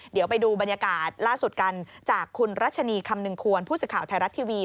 เดี๋ยวไปดูบรรยากาศล่าสุดกันจากคุณรัชนีคำนึงควรผู้สื่อข่าวไทยรัฐทีวี